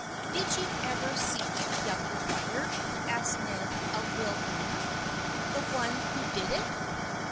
" Did you ever see the younger brother ?" asked Ned of Will Dana. " The one who did it